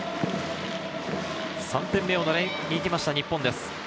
３点目を狙いにいきました日本です。